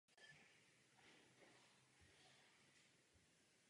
To je základní vlastností každého demokraticky zvoleného shromáždění.